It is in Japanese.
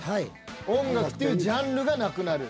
音楽っていうジャンルがなくなる。